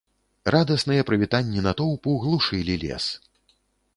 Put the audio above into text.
Радасныя прывітанні натоўпу глушылі лес.